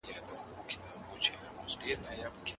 ایا د سړک پر غاړه له ولاړو خوړو ډډه کول پکار دي؟